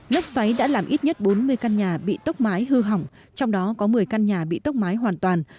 lốc xoáy đã làm ít nhất bốn mươi căn nhà bị tốc mái hư hỏng trong đó có một mươi căn nhà bị tốc mái hoàn toàn